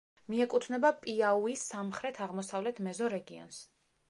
მიეკუთვნება პიაუის სამხრეთ-აღმოსავლეთ მეზორეგიონს.